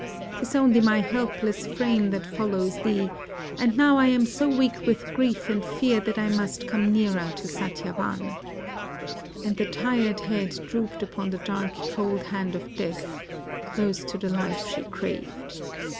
'T is only my helpless frame that follows thee, and now I am so weak with grief and fear that I must come nearer to Satyavan"; and the tired head drooped upon the dark cold hand of Death, close to the life she craved.